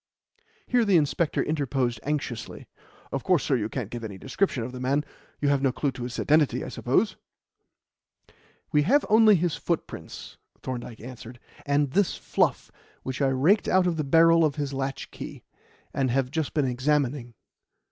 Here the inspector interposed anxiously. "Of course, sir, you can't give any description of the man. You have no clue to his identity, I suppose?" "We have only his footprints," Thorndyke answered, "and this fluff which I raked out of the barrel of his latchkey, and have just been examining.